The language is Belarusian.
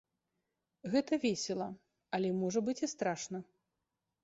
Гэта весела, але можа быць і страшна.